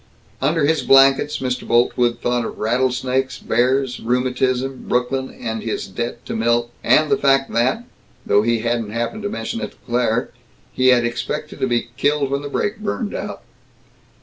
Under his blankets Mr. Boltwood thought of rattlesnakes, bears, rheumatism, Brooklyn, his debt to Milt, and the fact that though he hadn't happened to mention it to Claire he had expected to be killed when the brake had burned out.